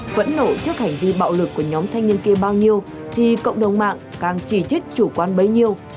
phẫn nộ trước hành vi bạo lực của nhóm thanh niên kia bao nhiêu thì cộng đồng mạng càng chỉ trích chủ quan bấy nhiêu